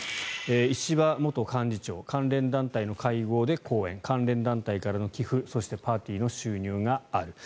石破元幹事長関連団体の会合で講演関連団体からの寄付そしてパーティーの収入がある。